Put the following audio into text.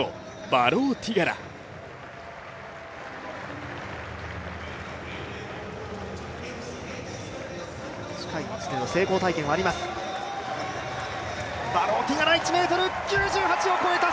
バローティガラ、１ｍ９８を越えた！